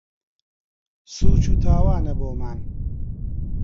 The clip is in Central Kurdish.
سووچ و تاوانە بۆمان